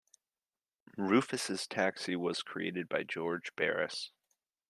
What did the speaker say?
Rufus' taxi was created by George Barris.